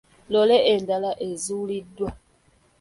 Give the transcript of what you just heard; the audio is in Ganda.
Loole endala ezuuliddwa.